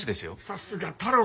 さすが太郎くん。